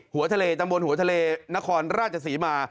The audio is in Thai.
หัวทะเลตำบลหัวทะเลนครราชศรีมา